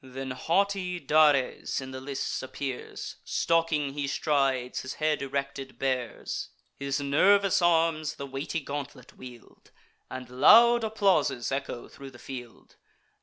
Then haughty Dares in the lists appears; Stalking he strides, his head erected bears: His nervous arms the weighty gauntlet wield, And loud applauses echo thro' the field.